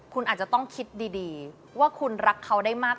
คุณอาจจะต้องคิดดีว่าคุณรักเขาได้มาก